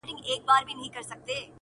ژوند له دې انګار سره پیوند لري٫